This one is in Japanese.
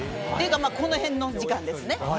この辺の時間ですね。